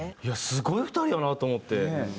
すごい２人やなと思って。